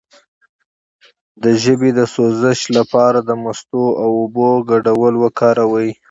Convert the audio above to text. د ژبې د سوزش لپاره د مستو او اوبو ګډول وکاروئ